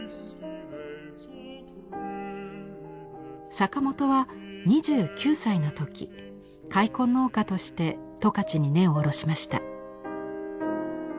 坂本は２９歳の時開墾農家として十勝に根を下ろしました。